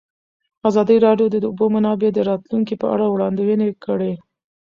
ازادي راډیو د د اوبو منابع د راتلونکې په اړه وړاندوینې کړې.